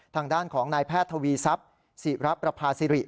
ทางด้านของนายแพทย์ทวีทรัพย์ศิรประพาสิริ